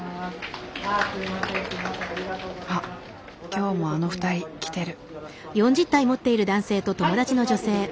あっ今日もあの２人来てる。